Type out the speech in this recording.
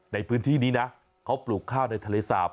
ในพื้นที่นี้นะเขาปลูกข้าวในทะเลสาป